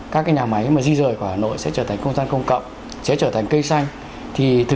các nhà máy di rời của hà nội sẽ trở thành không gian công cộng sẽ trở thành cây xanh